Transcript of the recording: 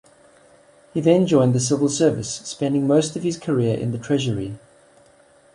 He then joined the Civil Service, spending most of his career in the Treasury.